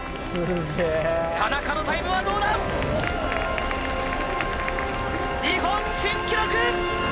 田中のタイムはどうだ⁉日本新記録！